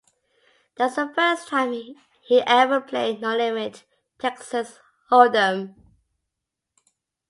That was the first time he ever played no-limit Texas hold 'em.